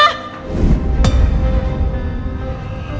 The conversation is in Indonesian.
eh mau kemana